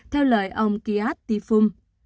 theo lời ông kiat tifum